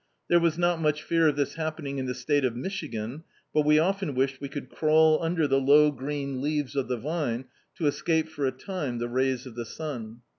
There was not much fear of this happening in the State of Michigan, but we often wished we could crawl under the low green leaves of die vine to escape for a time the rays of the sun.